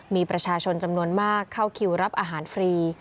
มีประชาชนจำนวนมากเข้าคิวรับอาหารฟรี